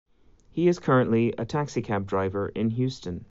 He is currently a taxi cab driver in Houston.